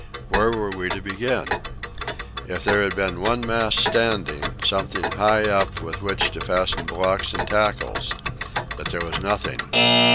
Where were we to begin? If there had been one mast standing, something high up to which to fasten blocks and tackles! But there was nothing.